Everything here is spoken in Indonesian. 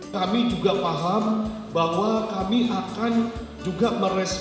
kami juga paham bahwa kami akan juga merespon